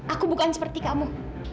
aku bukan seperti kamu